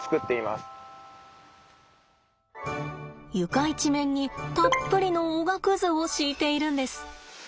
床一面にたっぷりのおがくずを敷いているんです。